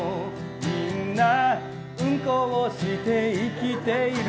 みんなうんこをして生きている。